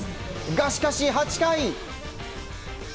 しかし、８回。